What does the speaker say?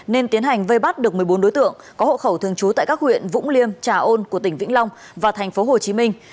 nên tiến hành vây bắt được một mươi bốn đối tượng có hộ khẩu thường trú tại các huyện vũng liêm trà ôn của tỉnh vĩnh long và thành phố hồ chí minh